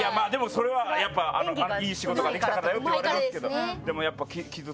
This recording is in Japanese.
それはいい仕事ができたって言われるんですけど。